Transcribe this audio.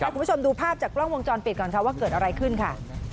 คุณผู้ชมดูภาพจากกล้องวงจรปิดก่อนค่ะว่าเกิดอะไรขึ้นค่ะ